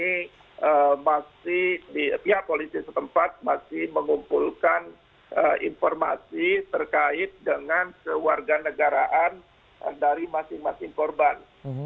ini masih pihak polisi setempat masih mengumpulkan informasi terkait dengan kewarganegaraan dari masing masing korban